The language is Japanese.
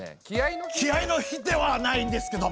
気合いの日ではないんですけども。